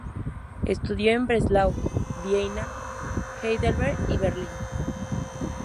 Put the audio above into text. Estudió en Breslau, Viena, Heidelberg y Berlín.